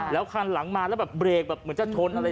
และคันหลังมาก็เบรกเหมือนจะทน